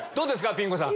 ピン子さん。